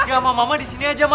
enggak ma mama di sini aja ma